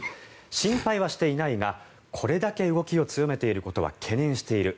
心配はしていないがこれだけ動きを強めていることは懸念している。